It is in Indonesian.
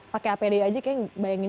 pakai apd aja kayaknya bayangin